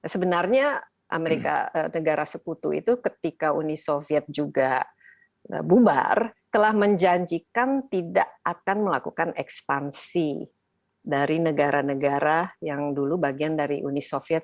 sebenarnya negara seputu itu ketika uni soviet juga bubar telah menjanjikan tidak akan melakukan ekspansi dari negara negara yang dulu bagian dari uni soviet